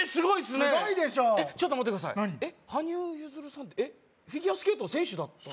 すごいでしょ待ってください羽生結弦さんってフィギュアスケートの選手だった？